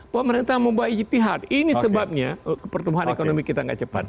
pemerintah membagi pihak ini sebabnya pertumbuhan ekonomi kita tidak cepat